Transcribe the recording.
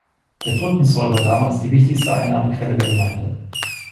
Der Brückenzoll war damals die wichtigste Einnahmequelle der Gemeinde.